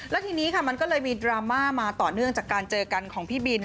แล้วทีนี้ค่ะมันก็เลยมีดราม่ามาต่อเนื่องจากการเจอกันของพี่บิน